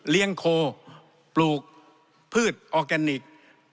เลี้ยงโคปลูกพืชอออร์แกนิค